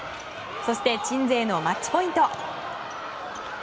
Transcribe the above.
そして、鎮西のマッチポイント。